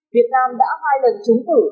việt nam đã hai lần chúng tử